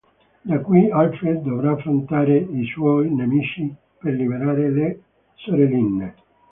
Da qui Alfred dovrà affrontare i suoi nemici per liberare le sorelline.